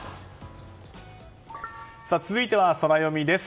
続いては、ソラよみです。